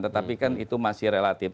tetapi kan itu masih relatif